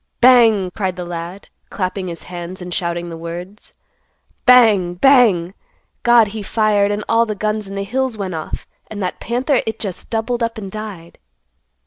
"Bang!" cried the lad, clapping his hands and shouting the words; "Bang! Bang! God, he fired and all the guns in the hills went off, and that panther it just doubled up and died.